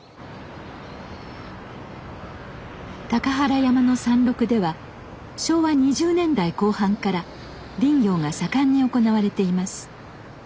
高原山の山麓では昭和２０年代後半から林業が盛んに行われています。